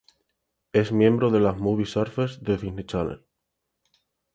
Es miembro de las Movie Surfers de Disney Channel.